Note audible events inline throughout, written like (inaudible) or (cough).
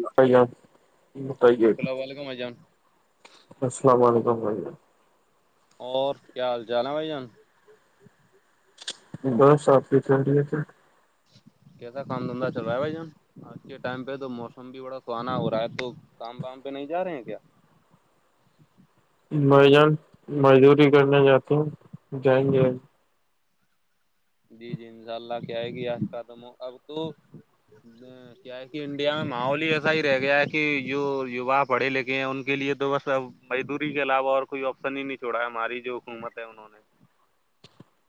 مت متعے السلام علیکم بھائی جان السلام علیکم بھائیم اور کیا حال چال ہے بھائی جان بس آپ کی ہو رہی ہے کیسا کام دھندا چل رہا ہے بھائی جن آج کے ٹائم پہ تو موسم بھی بڑا سہانا ہو رہا ہے تو کام وام پہ نہیں جا رہے ہیں کیا میں جان مزدوری کرنا جاہتی ہوں جائیں گے جی جی انشاء اللہ کیا آئے گی آج دم اب تو کیا ہے کہ انڈیا میں ماحول ہی ایسا ہی رہ گیا ہے کہ جو وا پڑھے لکھے ہیں ان کے لیے تو بس اب مزدوری کے علاوہ اور کوئی آپشن ہی نہیں چھوڑا ہماری جو حکومت ہے انہوں نے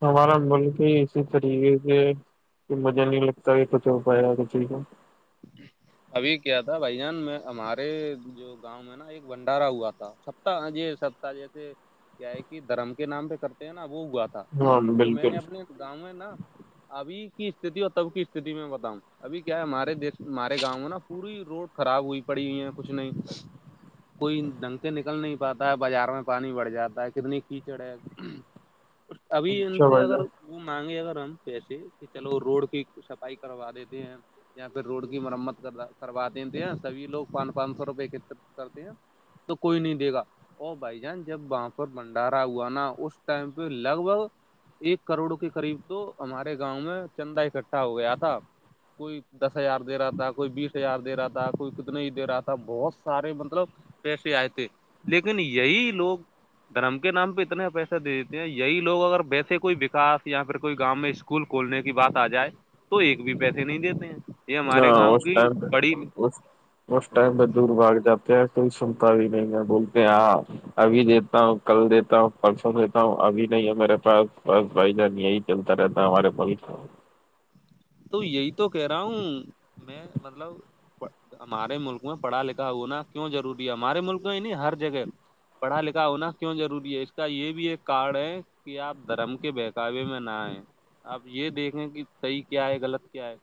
ہمارا ملک ہی اسی طریقے سے مزہ نہیں لگتا کہ کچھ ہو پائے گا ک چی کا ابھی کیا تھا بھائی جان میں ہمارے جو گاؤں میں نا ایک بھنڈارا ہوا تھا سپت یہ سپتااہ جیسے کیا ہے کہ دھرم کے نام پہ کرتے ہیں نا وہ ہوا تھا ہاں تو میں نے بالکل اپنے گاؤں میں نا ابھی کی استھتی اور تب کی استھ میں بتاؤں ابھی کیا ہے ہمارے دیش ہمارے گاؤں میں نا پوری روڈ خراب ہوئی پڑی ہوئی ہیں کچھ نہیں کوئی دھنتے نکل نہیں پاتا ہے بازار میں پانی بڑھ جاتا ہے کتنی کیچڑ ہے ابھی ان اچھا سے بھائی اگر جان وہ مانگے اگر ہم پیسے کہ چلو روڈ کی صفائی کروا دیتے ہیں یا پھر روڈ کی مرمت کر کروا دیتے ہیں سبھی لوگ پانچ پانچ سو روپئے ک کرتے ہیں تو کوئی نہیں دے گا ا بھائی جان جب وہاں پر بنڈارا ہوا نا اس ٹائم پہ لگ بھگ ایک کروڑ کے قریب تو ہمارے گاؤں میں چندہ اکٹھا ہو گیا تھا کوئی دس ہزار دے رہا تھا کوئی بیس ہزار دے رہا تھا کوئی نہیں دے رہا تھا بہت سارے مطلب پیسے آئے تھے لیکن یہی لوگ دھرم کے نام پہ اتنے پیسے دے دیتے ہیں یہی لوگ اگر ویسے کوئی وکس یا پھر کوئی گاؤ میں اسکول کھولنے کی بات آ جائے تو ایک بھی پیسے نہیں دیتے ہیں یہ ہمارے گاؤں کی اسارد بڑی اس ٹائم ب دور باغ جاتے ہیں کوئی سنتا بھی نہیں ہے بولتے آاں ابھی دیتا ہوں کل دیتا ہوں پرسوں دیتا ہوں ابھی نہیں ہے میرے پاس بس بھائی جان یہی چلتا رہتا ہے ہمارے تو یہی تو کہہ رہا ہوں میں مطلب ہمارے ملک میں پڑھا لکھا ہونا کیوں ضروری ہے ہمارے ملک میں ہی نہیں ہر جگہ پڑھا لکھا ہونا کیوں ضروری ہے اس کا یہ بھی ایک کارڈ ہے کہ آپ دھرم کے بہکاوے میں نہ آئے آپ یہ دیکھیں کہ صحیح کیا ہے غلط کیا ہے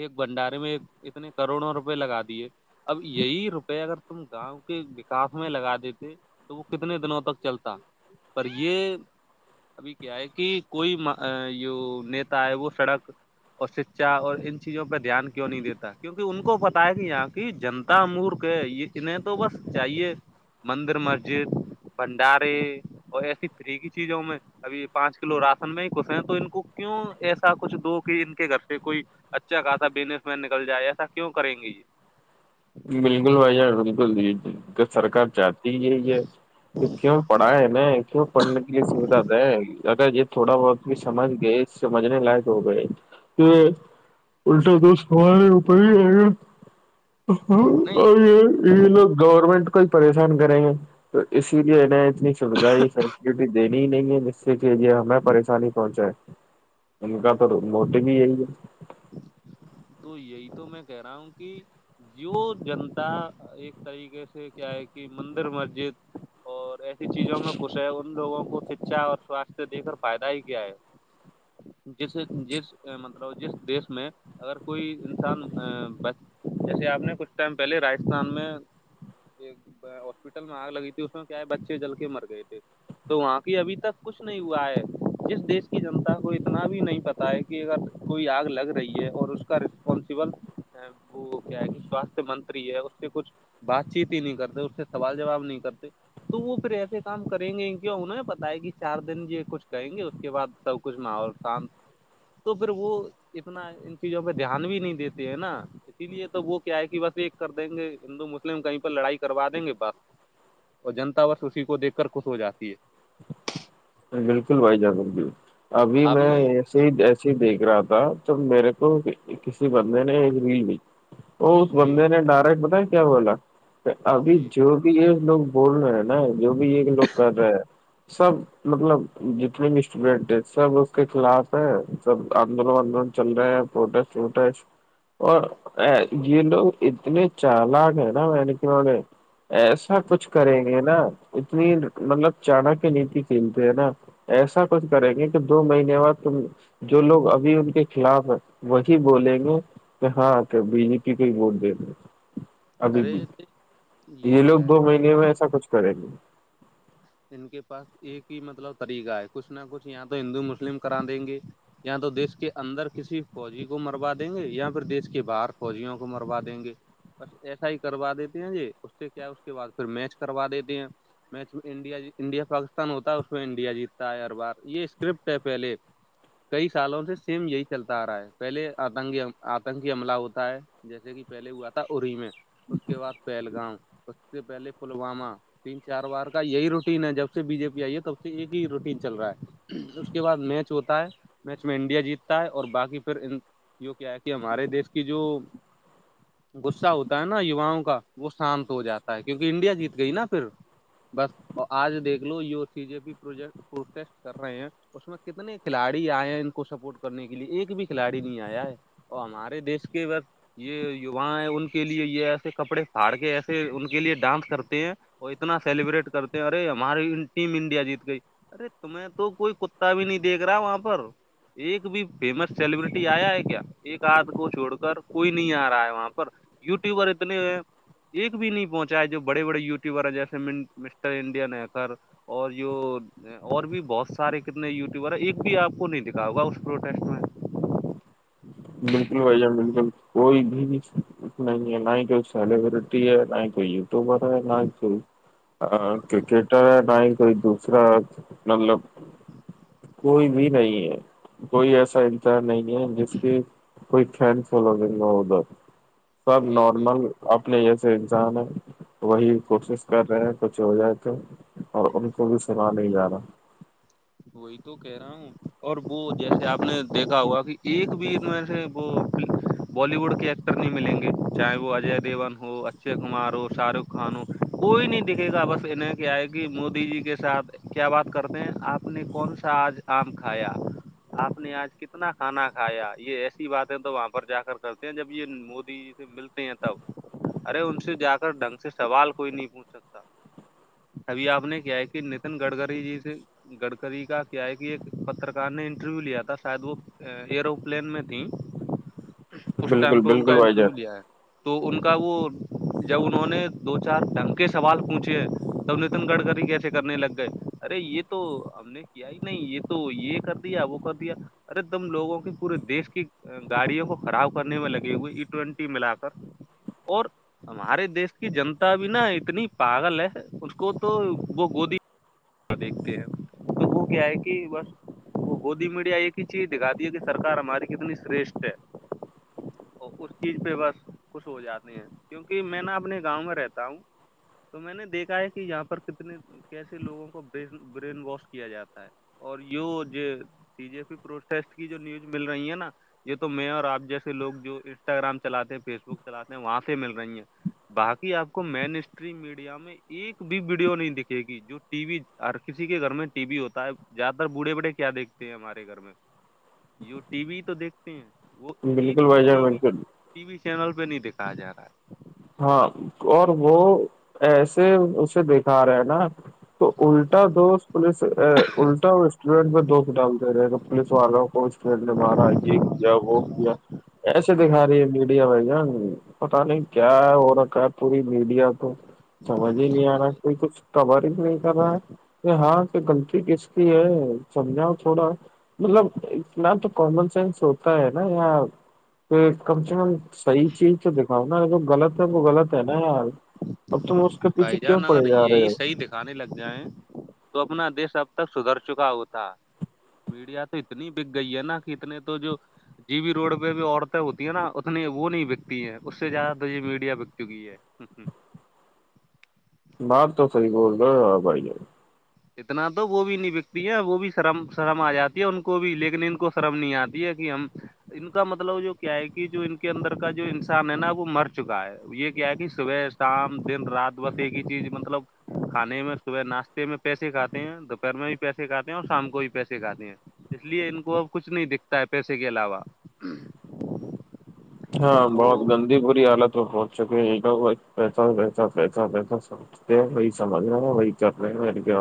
ایک بھنڈارے میں اتنے کروڑوں روپے لگا دیے اب یہی روپئے اگر تم گاؤں کے وکاس میں لگا دیتے تو وہ کتنے دنوں تک چلتا پر یہ ابھی کیا ہے کہ کوئی جویتا ہے وہ سڑک اور شکچھا اور ان چیزوں پہ دھیان کیوں نہیں دیتا کیوںکہ ان کو پتائے گ یہاں کی جنتا مورکھ یہ اتنے تو بس چاہیے مندر مسجد بھنڈارے اور ایسی فری کی چیزوں میں ابھی پانچ کلو راشن میں ہی کش ہیں تو ان کو کیوں ایسا کچھ دو کہ ان کے گھر سے کوئی اچھا خاصا بزنس مین نکل جائے ایسا کیوں کریں گے یہ بالکل بھائی جان بالکل ج سرکار چاہتی یہ یہ تو کیوں پڑھا ہے ن کیوں پڑھنے کے لیے سوھا د اگر یہ تھوڑا بہت بھی سمجھ گئے سمجھنے لائق ہو بھائی کہ الٹا دوستارےپ نہیں اور یہ یہ لوگ گورنمنٹ کو ہی پریشان کریں گے تو اسی لیے اتنی سویدھ فیسلٹی دینی ہی نہیں ہے جس سے کہجے ہمیں پریشانی پہنچاائے ان کا تو موٹیو ہی یہی ہے تو یہی تو میں کہہ رہا ہوں کہ جو جنتا ایک طریقے سے کیا ہے کہ مندر مسجد اور ایسی چیزوں میں خش ہے ان لوگوں کو شکچھا اور سواستھ دے کر فائدہ ہی کیا ہے جسے جس مطلب جس دیش میں اگر کوئی انسان جیسے آپ نے کچھ ٹائم پہلے راجستھان میں ایک ہاسپٹل میں آگ لگی تھی اس میں کیا ہے بچے جل کے مر گئے تھے تو وہاں کی ابھی تک کچھ نہیں ہوا ہے جس دیش کی جنتا کو اتنا بھی نہیں پتا ہوتا کہ اگر کوئی آگ لگ رہی ہے اور اس کا رسپانسبل وہ کیا ہے کہ سواستھ منتری ہے اس سے کچھ بات چیت ہی نہیں کرتے اس سے سوال جواب نہیں کرتے تو وہ پھر ایسے کام کریں گے کیا انہوںیں پتا ہے کہ چار دن یہ کچھ کہیں گے اس کے بعد سب کچھ ماحول کام تو پھر وہ اتنا ان چیزوں پہ دھیان بھی نہیں دیتے ہیں نا اسی لیے تو وہ کیا ہے کہ بس ایک کر دیں گے ہندو مسلم کہیں پر لڑائی کروا دیں گے بس اور جنتا وس اسی کو دیک کر خوش ہو جاتی ہے بالکل بھائی جان بالکل ابھی آپ میں نے ہی ایسے ہی دیکھ رہا تھا توب میرے کو کسی بندے نے ایک ریل بھی وہ اس جی بندے نے ڈائریکٹ بتایا کیا بولا کہ ابھی جی جو بھی یہ لوگ بول رہے ہیں نا جو بھی یہ لوگ کر رہے ہیں سب مطلب جتنے بھی اسٹوڈینٹ ہے سب اس کے خلاف ہے سب آندولن آندولن چل رہے ہیں پروٹیسٹ اٹ ہے اور جڈ اتنے چلا گینا مکے ایسا کچھ کریں گے نا اتنی مطلب چڑک نیتی چنتے ہیں نا ایسا کچھ کریں گے کہ دو مہینے بعد جو لوگ ابھی ان کے خلاف ہے وہی بولیں گے کہ ہاں کیا بی پی کائی ووٹ دیےتے ابھی ارے بھی یہ لوگ کیا ہے دو کہ بھائی مہینے جان میں ایسا کچھ کریں گے ان کے پاس ایک ہی مطلب طریقہ ہے کچھ نہ کچھ یہاں تو ہندو مسلم کرا دیں گے یا تو دیش کے اندر کسی فوجی کو مروا دیں گے یا پھر دیش کے باہر فوجیوں کو مروا دیں گے ب ایسا ہی کروا دیتے ہیں جی اس سے کیا اس کے بعد پ میچ کروا دیتے ہیں میچ انڈیا انڈیا پاکستان ہوتا ہے اس میں انڈیا جیتتا ہے ہر بار یہ اسکرپٹ ہے پہلے کئی سالوں سے سیم یہی چلتا آ رہا ہے پہلے آتن آتنکی حملہ ہوتا ہے جیسے کہ پہلے ہوا تھا ای میں اس کے بعد پہلگامں اس سے پہلے پلوامہ تین چار بار کا کا یہی روٹین ہے جب سے بی جے پی آئی ہے تب سے ایک ہی روٹین چل رہا ہے اس کے بعد میچ ہوتا ہے میچ میں انڈیا جیتتا ہے اور باقی پھر یہ کیا ہے کہ ہمارے دیش کی جو غصہ ہوتا ہے نا یواؤں کا وہ شانت ہو جاتا ہے کیونکہ انڈیا جیت گئی نا پھر بس آج دیکھ لو سیزے بھی پروجیکٹ پروٹیسٹ کر رہے ہیں اس میں کتنے کھلاڑی آئے ہیں ان کو سپورٹ کرنے کے لیے ایک بھی کھلاڑی نہیں آیا ہے اور ہمارے دیش کے بس یہ یوا ہے ان کے لیے یہ ایسے کپڑے پھاڑ کے ایسے ان کے لیے ڈانس کرتے ہیں وہ اتنا سیلیبریٹ کرتے ہیں ارے ہماری ٹیم انڈیا جیت گئی ارے تمہیں تو کوئی کتا بھی نہیں دیکھ رہا وہاں پر ایک بھی فیمس سیلیبرٹی آیا ہے کیا ایک ہاتھ کو چھوڑ کر کوئی نہیں آ رہا ہے وہاں پر یوٹیوبر اتنے ایک بھی نہیں پہنچا ہے جو بڑے بڑے یوٹیوبر ہیں جیسے مسٹر انڈ ن کر اور جو اور بھی بہت سارے کتنے یوٹیوبر ایک بھی آپ کو نہیں دکھاؤگا اس پروٹیسٹ میں بالکل بھائی جان بالکل کوئی بھی نہیں ہے نہ ہی کوئی سیلیبرٹی ہے نہ ہی کوئی تو بارہ لائ چل ہ کرکٹر ہے نہ ہی کوئی دوسرا مطلب جی (unintelligible) کوئی بھی نہیں ہے کوئی ایسا انتار نہیں ہے جس کے کوئی چینسا ادھر سب جی جی نارمل اپنے یہسسان ہے وہی کوشش کر رہے ہیں کچھ ہو جائے تو اور ان کو بھی سنا نہیں جا رہا وہی تو کہہ رہے ہ اور وہ جیسے آپ نے دیکھا ہوا کہ ایک بھی میں سے وہ بالی ووڈ کے ایکٹر نہیں ملیں گے چاہے وہ اجے دیوون ہو اچے کمار ہو شاہ رخ کانوں کوئی نہیں دکھے گا بس انہ کیا آئے کہ مودی جی کے ساتھ کیا بات کرتے ہیں آپ آ نے کون سا آج آم کھایا آپ نے آج کتنا کھانا کھایا یہ ایسی باتیں تو وہاں پر جا کر کرتے ہیں جب یہ مودی ملتے ہیں تب ارے ان سے جا کر ڈھنگ سے سوال کوئی نہیں پوچھ سکتا ابھی آپ نے کیا ہے کہ نتن گڈکری جی سے (unintelligible) گڑکری کا کیا ہے کہ ایک پترکار نے انٹرویو لیا تھا شاید وہ ایروپلین میں تھیں اس ٹائم بالکل پہ ان کا بالکل بھائی انٹرویو جان لیا ہے تو ان کا وہ جب انہوں نے دو چار ڈھنگ کے سوال پوچھے تب نتن گڈکری کہتے کرنے لگ گئے ارے یہ تو ہم نے کیا ہی نہیں یہ تو یہ کر دیا وہ کر دیا (unintelligible) ارے تم لوگوں کی پورے دیش کی گاڑیوں کو خراب کرنے میں لگے ہوئے ای ٹینٹی ملا کر اور ہمارے دیش کی جنتا بھی نا اتنی پاگل ہے اس کو تو وہ گودی دیکھتے ہیں تو وہ کیا ہے کہ بس مودی میڈیا ایک ہی چیز دکھا دی ہے کہ سرار ہماری کتنی شرشٹھ ہے اس چیز پہ بس خوش ہو جاتے ہیں کیونکہ میں نا اپنے گاؤں میں رہتا ہوں تو میں نے دیکھا ہے کہ یہاں پر کتنے کیسے لوگوں کو ب برین واش کیا جاتا ہے (unintelligible) اور جو سی جے پی پروٹیسٹ کی جو نیوز مل رہی ہے نا یہ تو میں اور آپ جیسے لوگ جو انسٹاگرام چلاتے ہیں فیس بک چلاتے ہیں وہاں سے مل رہی ہیں باقی آپ کو مین اسٹریم میڈیا میں ایک بھی ویڈیو نہیں دکھے گی جو ٹی وی ہر کسی کے گھر میں ٹی وی ہوتا ہے زیادہ تر بوڑھے بڑے کیا دیکھتے ہیں ہمارے گھر میں ٹی وی تو دیکھ بالکل بھائی جان بالکل ٹی وی چینل پہ نہیں دیکھایا جا رہا ہے ہاں اور وہ ایسے اسے دکھا رہے ہیں نا تو الٹا دوٹاٹینٹ میں دو ک ڈام دے رہے گ پلیس والوں کو اسڈ نے مارا یہ کیا وہ کیا ایسے د ہاری میڈیا ب گ پتا نہیں کیا ہے ہو رکھا ہے پوری میڈیا تو سمجھ ہی نہیں آ رہا ہے ارے کوئی کچھ کبر ہی نہیں کر رہا ہے کہ ہاں غلط کس کی ہے سمجھاؤ تھوڑا مطلب اتنا تو کامن سینس ہوتا ہے نا یا کم سے کم صحیح چیز تو دکھاؤ نا جو غلط ہے وہ غلط ہے نا یار اب تم اس کے پیھے کیوں پڑے جا رہے ہو گانے لگ جائے تو اپنا دیش اب تک سدھر چکا ہوتا میڈیا تو اتنی بک گئی ہے نا کہ اتنے تو جو جی بھی روڈ پہ بھی عورتیں ہوتی ہیں نا اتنی وہ نہیں بکتی ہیں اس سے زیادہ تو یہ میڈیا بک چکی ہے (inaudible) بات تو صحری بول رہے بھائی جان اتنا تو وہ بھی نہیں بکتی ہے وہ بھی شرم شرم آ جاتی ہے ان کو بھی لیکن ان کو شرم نہیں آتی ہے کہ ہم ان کا مطلب جو کیا ہے کہ جو ان کے اندر کا جو انسان ہے نا وہ مر چکا ہے یہ کیا ہے کہ صبح شام دن رات بس ایک ہی چیز مطلب کھانے میں صبح ناشتے میں پیسے کاتے ہیں دوپہر میں بھی پیسے کھاتے ہیں اور شام کو بھی پیسے کھاتے ہیں اس لیے ان کو اب کچھ نہیں دکھتا ہے پیسے کے علاوہ ہاں بہت وہ گندی پورری حالت میں پہنچ چک ہے تو پتاتا پتاتا سب وہی سمج رہ نا وہی کرل رہے ہیں مے کیا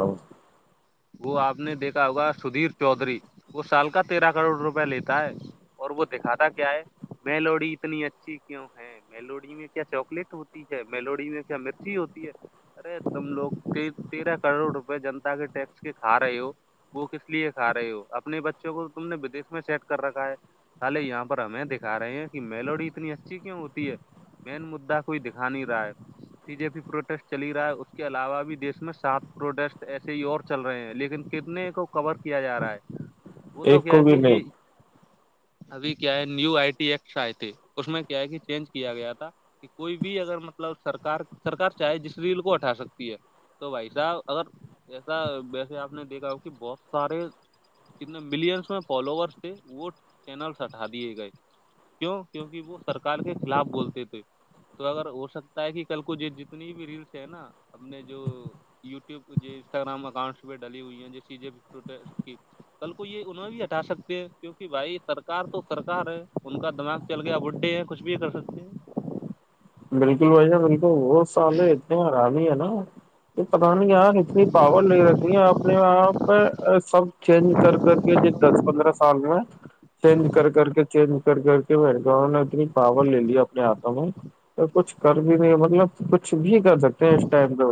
وہ آپ نے دیکھا ہوگا سدھیر چودھری وہ سال کا تیرہ کروڑ روپئے لیتا ہے اور وہ دکھاتا کیا ہے میلوڈی اتنی اچھی کیوں ہے ملوڑی میں کیا چاکلیٹ ہوتی ہے میلوڑی میں کیا مرچی ہوتی ہے ارے تم لوگ تیرہ کروڑ روپئے جنتا کے ٹیکس کھا رہے ہو وہ کس لیے کھا رہے ہو اپنے بچوں کو تم نے بدی میں سیٹ کر رکھا ہے الے یہاں پر ہمیں دکھا رہے ہیں کہ میلوڈی اتنی اچھی کیوں ہوتی ہے مین مددا کوئی دکھا نہیں رہا ہے بیی جے پی پروٹیسٹ چلی رہا ہے اس کے علاوہ بھی دیش میں سات پروٹیسٹ ایسے ہی اور چل رہے ہیں لیکن کتنے کو کور کیا جا رہا ہے وہ تو ایک کیا کو بھی کہ نہیں یہ ابھی کیا ہے نیو آئی ٹی ایکٹس آئے تھے اس میں کیا ہے کہ چینج کیا گیا تھا کہ کوئی بھی اگر مطلب سرکار سرک چاہے جس ریل کو ہٹا سکتی ہے تو بھائی صاحب اگر ویسے آپ نے دیکھا ہو کہ بہت سارے کتنے ملینس میں فالوورس تھے وہ چینلس ہٹا دیے گئے کیوں کیونکہ وہ سرکار کے خلاف بولتے تھے تو اگر ہو سکتا ہے کہ کل کو جتنی بھی ریلس ہے نا اپنے جو یوٹیوب انسٹاگرام اکاؤنٹس پہ ڈال ہوئی ہیں جی س جوٹ کی کل کو یہ ان میں بھی ہٹا سکتے ہیں کیونکہ بھائی سرک تو سرکار ہے ان کا دماغ چل گیا بڈے ہیں کچھ بھی ت س سے بالکل بھائی جان بالکل وہ سال اتنے آرام ہی ہے نا یہ پتا نہیں یار اتنی پاور لے رہتی ہیں اپنے آپ سب چینج کر کر کے پندرہ سال میں میں چینج کر کر کے چینج کر کر کے ماوں نے اتنی پاور لے لی اپنے ہاتھوں میں تو کچھ کر بھی نہیں ہے مطلب کچھ بھی کر سکتے ہیں اس ٹائم تو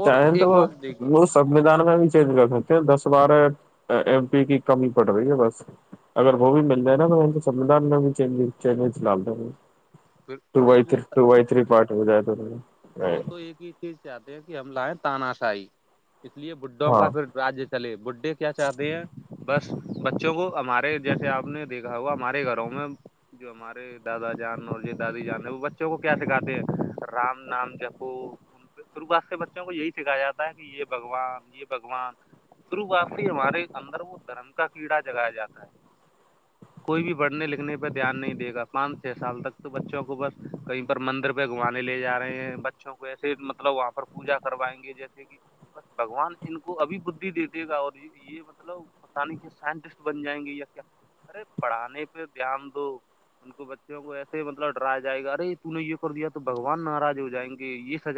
اور چاہیں تو ایک بات دیکھیے وہ سودان میں بھی چینج کر سکتے ہیں دس بارہ ایم پی کی کمی پڑ رہی ہے بس اگر وہ بھی مل جائے نا تو سھان میں بھی لال دیں گے پھر و ارے بائی وہ تھری و بائی تھری پارٹ ہو جائے توا وہ تو ایک ہی چیز چاہتے ہیں کہ ہم لائیں تاناشاہی اس لیے بڈھوں ہاں کا پھر رایہ چلے بڈھے کیا چاہتے ہیں بس بچوں کو ہمارے جیسے آپ نے دیکھا گہوا ہمارے گھروں میں جو ہمارے دادا جان اور جو دادی جان ہے وہ بچوں کو کیا سکھاتے ہیں رام نام د کو شروخات کے بچوں کو یہی سکھایا جاتا ہے کہ یہ بگوان یہ بگوان شروعات ہی ہمارے اندر وہ دھرم کا کیڑا جگایا جاتا ہے کوئی بھی پڑھنے لکھنے پہ دھیان نہیں دے گا پانچ چھ سال تک تو بچوں کو بس کہئی مندر پہ گوانے لے جاے ہیں بچوں کو ایسے مطلب وہاں پر پوجا کروائیں گے جیسے کہ بس بگوان ان کو ابھی بدھی دیتے گا اور جی یہ مطلب پتا نہیں کیا سائنٹسٹ بن جائیں گے یا کیا ارے پڑھانے پہ دھیان دو ان کو بچوں کو ایسے مطلب ڈریا جائے گا ارے تو نے یہ کر دیا تو بگوان ناراض ہو جائیں گے یہ سجا